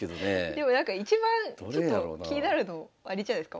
でもなんか一番ちょっと気になるのあれじゃないすか？